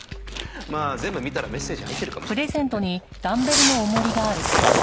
まあ全部見たらメッセージ入ってるかもしれませんね。